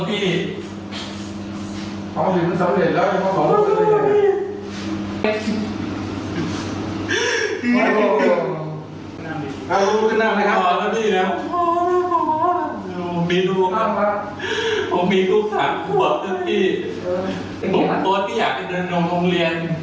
พี่แก้วผมเนี่ยผมว่าแน่นอนผมเป็นผู้กราบของคุณเนี่ย